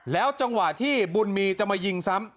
จังหวะที่บุญมีจะมายิงซ้ำ